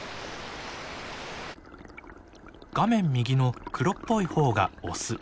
画面右の黒っぽい方がオス。